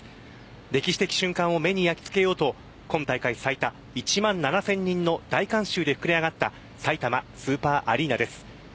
歴史的瞬間を目に焼き付けようと今大会最多１万７０００人の大観衆で膨れ上がったさいたまスーパーアリーナです。